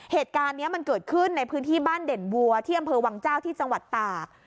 เหตุการณ์นี้มันเกิดขึ้นในพื้นที่บ้านเด่นวัวที่อำเภอวังเจ้าที่จังหวัดตาก